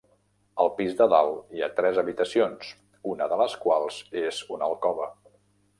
Al pis de dalt hi ha tres habitacions, una de les quals és una alcova.